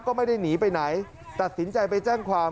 ก็ไม่ได้หนีไปไหนตัดสินใจไปแจ้งความ